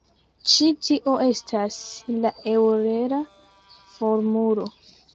Ĉi tio estas la eŭlera formulo.